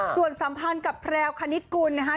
ส่วนสัมพันธ์กับแพรวคณิตกุลนะฮะ